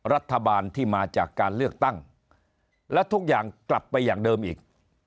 รัฐบาลที่มาจากการเลือกตั้งและทุกอย่างกลับไปอย่างเดิมอีก